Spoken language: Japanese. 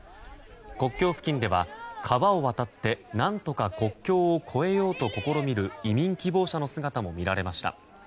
国境付近では川を渡って何とか国境を越えようと試みる移民希望者の姿も見られました。